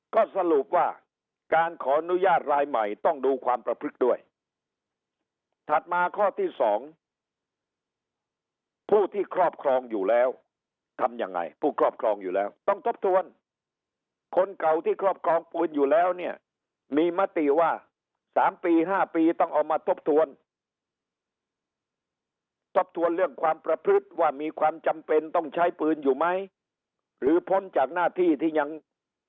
ก็สรุปว่าการขออนุญาตรายใหม่ต้องดูความประพฤติด้วยถัดมาข้อที่สองผู้ที่ครอบครองอยู่แล้วทำยังไงผู้ครอบครองอยู่แล้วต้องทบทวนคนเก่าที่ครอบครองปืนอยู่แล้วเนี่ยมีมติว่า๓ปี๕ปีต้องเอามาทบทวนทบทวนเรื่องความประพฤติว่ามีความจำเป็นต้องใช้ปืนอยู่ไหมหรือพ้นจากหน้าที่ที่ยัง